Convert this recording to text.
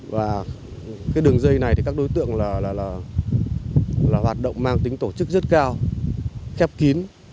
và cái đường dây này thì các đối tượng hoạt động mang tính tổ chức rất cao khép kín